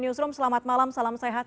newsroom selamat malam salam sehat